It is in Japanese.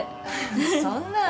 そんな。